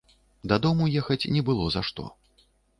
Дадому ехаць не было за што.